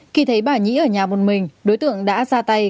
khi thấy bà nhí ở nhà một mình đối tượng đã ra tay